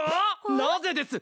なぜです？